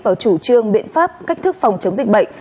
vào chủ trương biện pháp cách thức phòng chống dịch bệnh